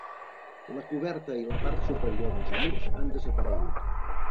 La coberta i la part superior dels murs han desaparegut.